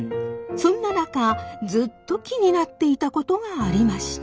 そんな中ずっと気になっていたことがありました。